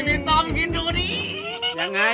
ไม่ต้องกินโถดี้พี่ปลอย